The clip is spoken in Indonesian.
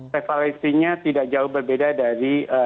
prevalensinya tidak jauh berbeda dari